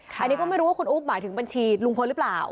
อันนี้ก็ไม่รู้ว่าคุณอุ๊บหมายถึงบัญชีลุงพลหรือเปล่า